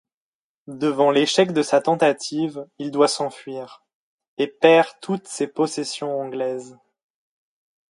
Devant l'échec de sa tentative, il doit s'enfuir, et perd toutes ses possessions anglaises.